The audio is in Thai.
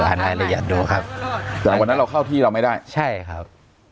รายละเอียดดูครับแต่วันนั้นเราเข้าที่เราไม่ได้ใช่ครับ